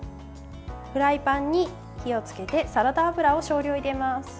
フライパンに火をつけてサラダ油を少量入れます。